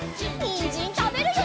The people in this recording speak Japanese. にんじんたべるよ！